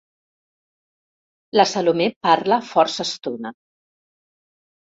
La Salomé parla força estona.